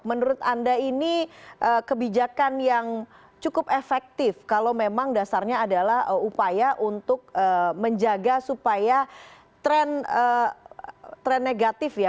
menurut anda ini kebijakan yang cukup efektif kalau memang dasarnya adalah upaya untuk menjaga supaya tren negatif ya